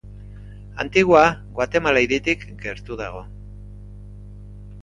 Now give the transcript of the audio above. Antigua Guatemala hiritik gertu dago.